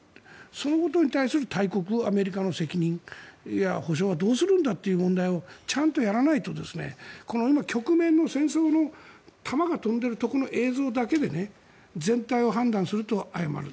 そのことに対する大国アメリカの責任や補償はどうするんだという問題をちゃんとやらないとこの今、局面の戦争の弾が飛んでいる映像だけで全体を判断すると誤る。